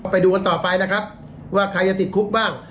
ไปดูกันต่อไปนะครับว่าใครจะติดคุกบ้าง